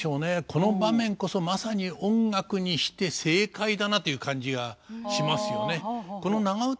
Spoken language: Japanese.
この場面こそまさに音楽にして正解だなという感じがしますよね。